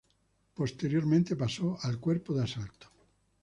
Posteriormente pasó al Cuerpo de Asalto.